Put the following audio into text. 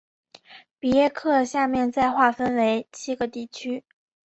比耶克下面再划分为七个地区。